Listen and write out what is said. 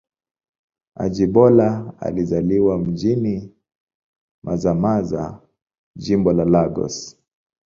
Ajibola alizaliwa mjini Mazamaza, Jimbo la Lagos.